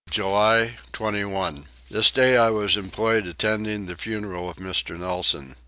July 21. This day I was employed attending the funeral of Mr. Nelson.